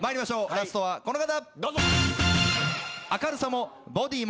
ラストはこの方。